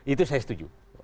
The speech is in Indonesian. itu saya setuju